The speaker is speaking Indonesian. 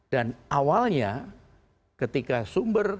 dan awalnya ketika dia menyeberang ke negara